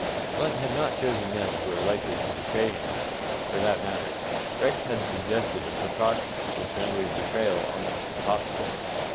Blunt had not chosen men who were likely to betray him, though, for that matter, Rex had suggested a precaution which rendered betrayal almost impossible.